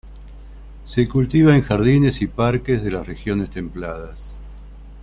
Se cultiva en jardines y parques de las regiones templadas.